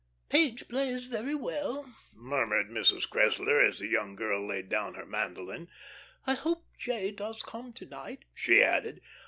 "Page plays very well," murmured Mrs. Cressler as the young girl laid down her mandolin. "I hope J. does come to night," she added.